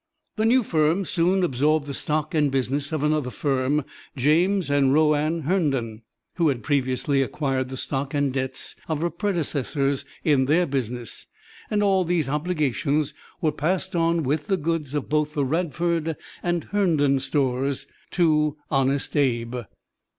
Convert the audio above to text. The new firm soon absorbed the stock and business of another firm, James and Rowan Herndon, who had previously acquired the stock and debts of the predecessors in their business, and all these obligations were passed on with the goods of both the Radford and Herndon stores to "Honest Abe."